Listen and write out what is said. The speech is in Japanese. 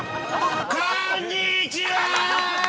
◆こーんにちはー！